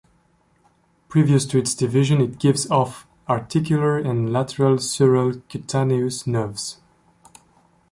Previous to its division it gives off "articular" and "lateral sural cutaneous" nerves.